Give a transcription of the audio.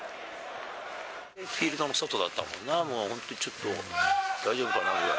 フィールドの外だったもんな、もう本当にちょっと大丈夫かなぐらい。